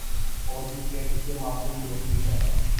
اورجس کے پیچھے Moscow university ہے۔